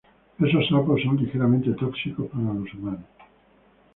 Estos sapos son ligeramente tóxicos para los humanos.